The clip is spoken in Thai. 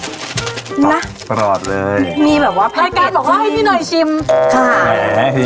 ไหนบอกให้พี่น้อยชิม